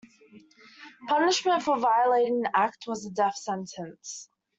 Punishment for violating the act was a death sentence.